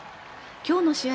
今日の試合